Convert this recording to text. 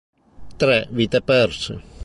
Tre vite perse!